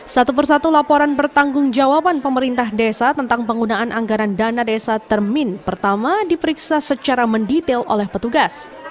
satu persatu laporan bertanggung jawaban pemerintah desa tentang penggunaan anggaran dana desa termin pertama diperiksa secara mendetail oleh petugas